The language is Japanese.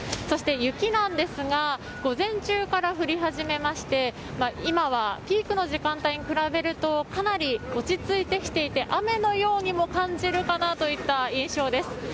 そして、雪なんですが午前中から降り始めまして今はピークの時間帯に比べるとかなり落ち着いてきていて雨のようにも感じるかなといった印象です。